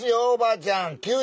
おばあちゃん。